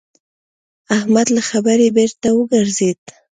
احمد له خبرې بېرته وګرځېد.